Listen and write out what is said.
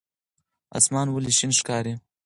اسمان ولې شین ښکاري؟